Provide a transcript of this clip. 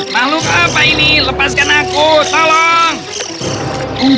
makhluk apa ini lepaskan aku tolong